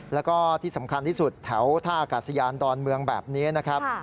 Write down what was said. แล้วก็ที่สำคัญที่สุดแถวท่าอากาศยานดอนเมืองแบบนี้นะครับ